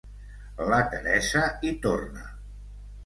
La Teresa hi torna.